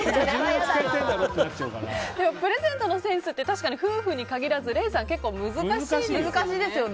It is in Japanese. プレゼントのセンスって確かに夫婦に限らず礼さん、結構難しいですよね。